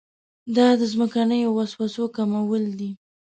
دا د ځمکنیو وسوسو کمول دي.